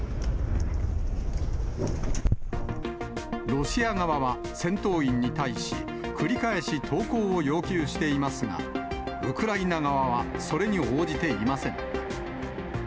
ロシア側は、戦闘員に対し、繰り返し投降を要求していますが、ウクライナ側はそれに応じていません。